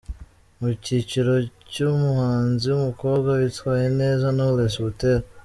Mu cyiciro cy’Umuhanzi w’umukobwa witwaye neza : Knowless Butera.